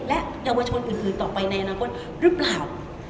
และเยาวชนอื่นต่อไปในอนาคตหรือเปล่า